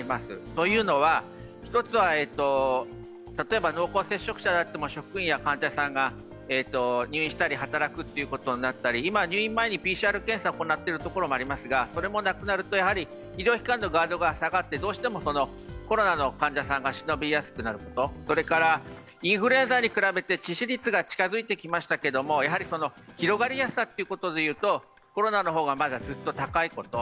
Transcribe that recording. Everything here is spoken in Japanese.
というのは、一つは例えば濃厚接触者であっても職員や患者さんが入院したり働くことになったり、今、入院前にＰＣＲ検査を行っているところがありますがそれもなくなると、医療機関のガードが下がってどうしてもコロナの患者さんがしのびやすくなること、それからインフルエンザに致死率が近づいてきましたけれども、広がりやすさで言うとコロナの方がずっと高いこと。